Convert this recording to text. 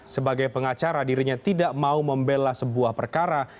sebagai pengacara dirinya tidak mau membela sebuah perkara